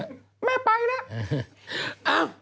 เอ้า